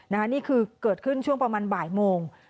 นี่คือเกิดขึ้นช่วงประมาณบ่ายโมง